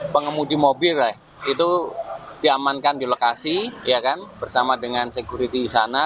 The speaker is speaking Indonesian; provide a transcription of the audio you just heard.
pengemudi mobil lah itu diamankan di lokasi ya kan bersama dengan security sana